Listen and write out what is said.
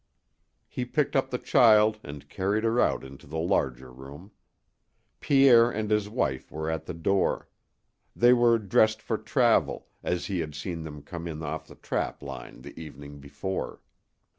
He picked up the child and carried her out into the larger room. Pierre and his wife were at the door. They were dressed for travel, as he had seen them come in off the trap line the evening before.